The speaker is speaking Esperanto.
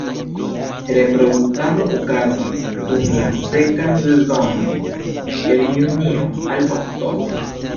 Reproduktado okazas dum la seka sezono el junio al oktobro.